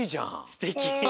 すてき！